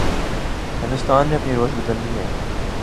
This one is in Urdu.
ہندوستان نے اپنی روش بدلنی ہے۔